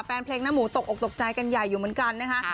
แฟนเพลงหน้าหมูตกออกตกใจกันใหญ่อยู่เหมือนกันนะคะ